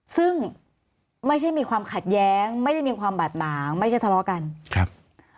ซึ่งไม่ใช่มีความขัดแย้งไม่ได้มีความบาดหมางไม่ใช่ทะเลาะกันครับ